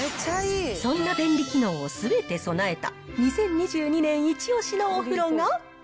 そんな便利機能をすべて備えた、２０２２年一押しのお風呂が。